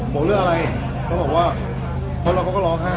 บอกเรื่องอะไรเขาบอกว่าเพราะเราก็ร้องไห้